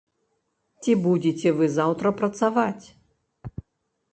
Ці будзеце вы заўтра працаваць?